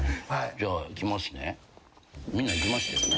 じゃあいきますね。